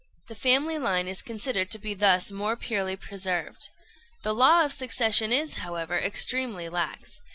The family line is considered to be thus more purely preserved. The law of succession is, however, extremely lax.